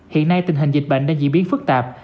hiện nay tình hình dịch bệnh đang diễn biến phức tạp